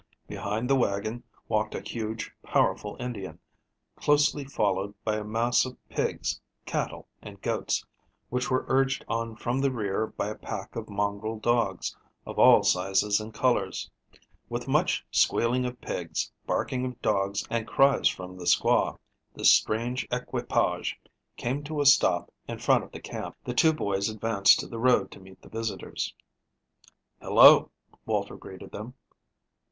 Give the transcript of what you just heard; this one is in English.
Behind the wagon walked a huge, powerful Indian, closely followed by a mass of pigs, cattle and goats, which were urged on from the rear by a pack of mongrel dogs, of all sizes and colors. With much squealing of pigs, barking of dogs, and cries from the squaw, this strange equipage came to a stop in front of the camp. The two boys advanced to the road to meet the visitors. "Hello," Walter greeted them.